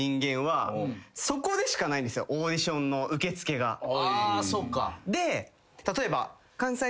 オーディションの受け付けがで例えば。